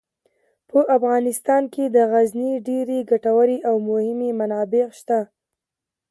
په افغانستان کې د غزني ډیرې ګټورې او مهمې منابع شته.